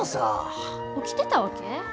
起きてたわけ？